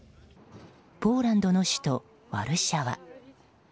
ポーランドの首都ワルシャワ。